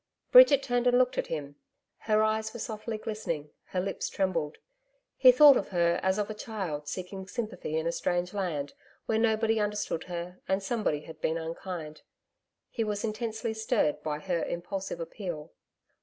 Bridget turned and looked at him. Her eyes were softly glistening, her lips trembled. He thought of her as of a child seeking sympathy in a strange land, where nobody understood her and somebody had been unkind. He was intensely stirred by her impulsive appeal.